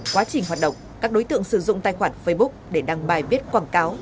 quá trình hoạt động các đối tượng sử dụng tài khoản facebook để đăng bài viết quảng cáo